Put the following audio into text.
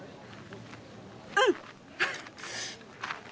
うん！